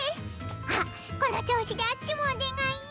あっこの調子であっちもお願いね。